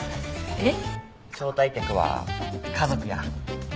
えっ？